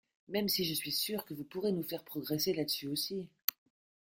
même si je suis sûr que vous pourrez nous faire progresser là-dessus aussi.